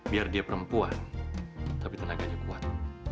biar dia perempuan tapi tenaganya kuat